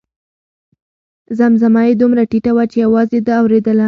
زمزمه یې دومره ټیټه وه چې یوازې ده اورېدله.